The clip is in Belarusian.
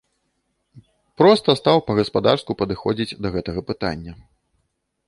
Проста стаў па-гаспадарску падыходзіць да гэтага пытання.